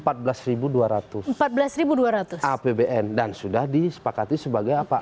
pak pasar juga menyepakati sebagai apa